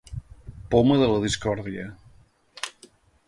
Poma de la discòrdia.